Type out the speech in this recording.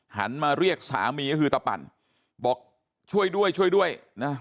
หันมาเรียกสามีก็คือตะปั่นบอกช่วยด้วยช่วยด้วยนะ